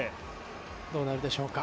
どうなるでしょうか。